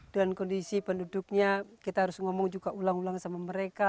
dan kondisi penduduknya kita harus ngomong juga ulang ulang sama mereka